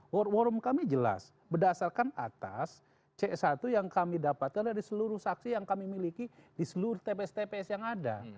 war room kami jelas berdasarkan atas c satu yang kami dapatkan dari seluruh saksi yang kami miliki di seluruh tps tps yang ada